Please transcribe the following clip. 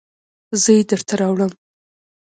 زه یې درته راوړم